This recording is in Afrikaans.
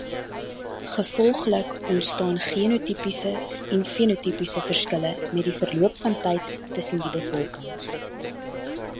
Gevolglik ontstaan genotipiese en fenotipiese verskille met verloop van tyd tussen die bevolkings.